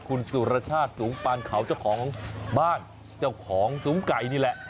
คุณสุรชาติสูงปานเขาเจ้าของบ้านเจ้าของสูงไก่นี่แหละ